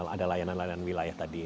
ada layanan layanan wilayah tadi